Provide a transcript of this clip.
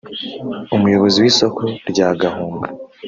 umuyobozi w’isoko rya Gahunga